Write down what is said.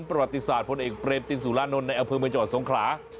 ประวัติศาสตร์พลเอกเปรพตินสุรานนท์ในแอลเฟิร์มให้จอดทรงขลา